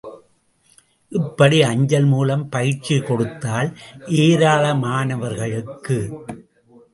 இப்படி அஞ்சல் மூலம் பயிற்சி கொடுத்ததால் ஏராளமானவர்களுக்கு.